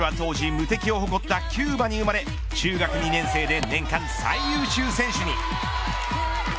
彼女は当時、無敵を誇ったキューバに生まれ中学２年生で年間最優秀選手に。